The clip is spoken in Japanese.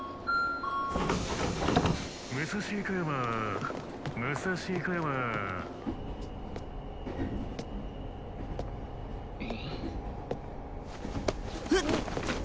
「武蔵小山武蔵小山」えっ！